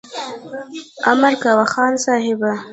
امر کوه خان صاحبه !